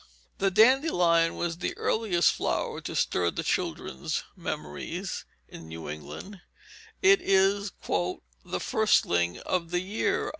The dandelion was the earliest flower to stir the children's memories; in New England it is "the firstling of the year."